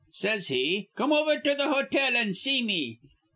Says he, 'Come over to th' hotel an' see me.'